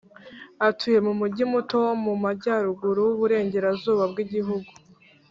Atuye mu mugi muto wo mu majyaruguru y’uburengerazuba bw’igihugu